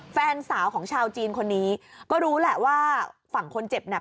แฟนสาวของชาวจีนคนนี้ก็รู้แหละว่าฝั่งคนเจ็บเนี่ย